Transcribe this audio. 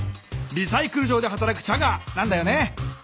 リサイクル場ではたらくチャガーなんだよね。